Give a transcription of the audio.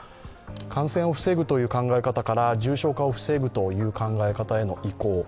感染を防ぐという考え方から重症化を防ぐという考え方への移行。